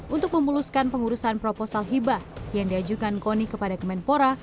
untuk memuluskan pengurusan proposal hibah yang diajukan koni kepada kemenpora